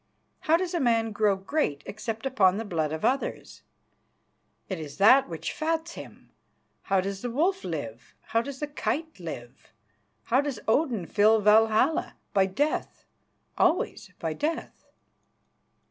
How does a man grow great except upon the blood of others? It is that which fats him. How does the wolf live? How does the kite live? How does Odin fill Valhalla? By death, always by death."